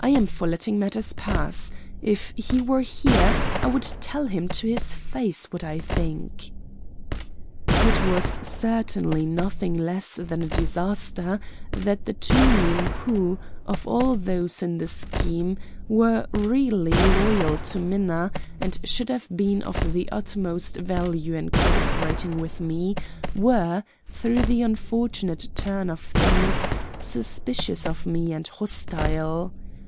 I am for letting matters pass. If he were here I would tell him to his face what I think." It was certainly nothing less than a disaster that the two men who, of all those in the scheme, were really loyal to Minna, and should have been of the utmost value in co operating with me, were, through the unfortunate turn of things, suspicious of me and hostile.